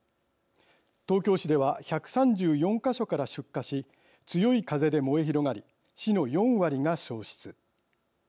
東京市では１３４か所から出火し強い風で燃え広がり市の４割が焼失。